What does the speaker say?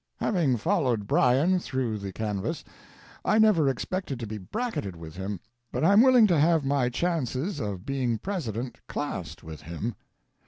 Having followed Bryan through the canvass, I never expected to be bracketed with him, but I'm willing to have my chances of being President classed with his.